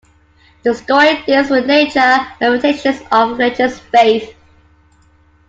The story deals with the nature and limitations of religious faith.